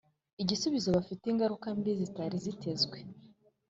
igisubizo bifite ingaruka mbi zitari zitezwe